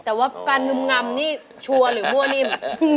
แต่ว่าการงำนี่ชัวร์หรือมั่วนิ่ม